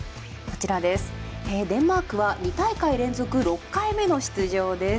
デンマークは２大会連続６回目の出場です。